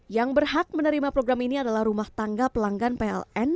yang berhak menerima program ini adalah rumah tangga pelanggan pln